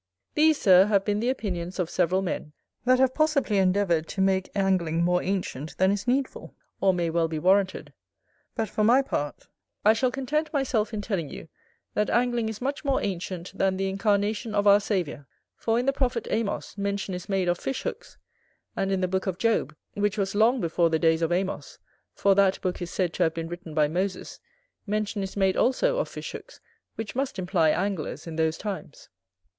These, Sir, have been the opinions of several men, that have possibly endeavoured to make angling more ancient than is needful, or may well be warranted; but for my part, I shall content myself in telling you, that angling is much more ancient than the incarnation of our Saviour; for in the Prophet Amos mention is made of fish hooks; and in the book of Job, which was long before the days of Amos, for that book is said to have been written by Moses, mention is made also of fish hooks, which must imply anglers in those times.